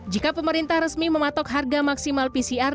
jika pemerintah resmi mematok harga maksimal pcr